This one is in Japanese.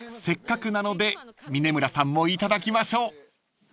［せっかくなので峯村さんも頂きましょう］